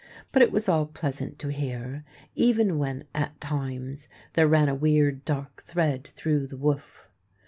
But it was all pleasant to hear, even when, at times, there ran a weird, dark thread through the woof.